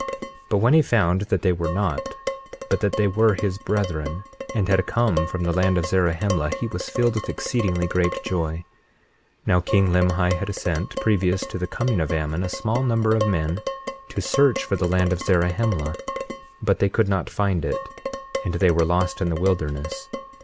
21:24 But when he found that they were not, but that they were his brethren, and had come from the land of Zarahemla, he was filled with exceedingly great joy. 21:25 Now king Limhi had sent, previous to the coming of Ammon, a small number of men to search for the land of Zarahemla; but they could not find it, and they were lost in the wilderness.